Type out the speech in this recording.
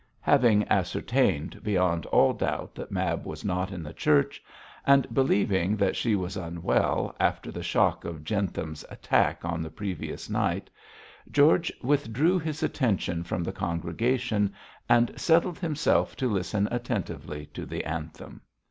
Having ascertained beyond all doubt that Mab was not in the church, and believing that she was unwell after the shock of Jentham's attack on the previous night, George withdrew his attention from the congregation, and settled himself to listen attentively to the anthem.